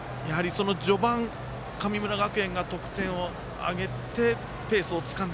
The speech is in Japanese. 序盤、神村学園が得点を挙げてペースをつかんだ。